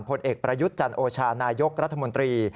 ผลเอกประยุทธ์จันโอชานายกรัฐมนตรี